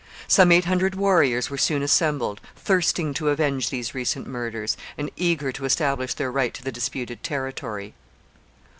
Some eight hundred warriors were soon assembled, thirsting to avenge these recent murders, and eager to establish their right to the disputed territory.